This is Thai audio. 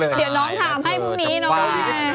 เดี๋ยวน้องถามให้ว่าตอนนี้พอแป๊บ